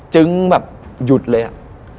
จึงแบบหยุดเลยอะ